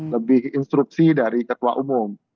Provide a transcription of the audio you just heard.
lebih instruksi dari ketua umum